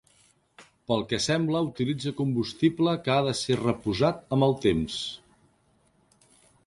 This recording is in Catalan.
Pel que sembla utilitza combustible que ha de ser reposat amb el temps.